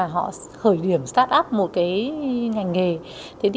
họ khởi điểm start up một ngành nghề